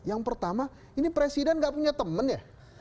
yang pertama ini presiden gak punya temen ya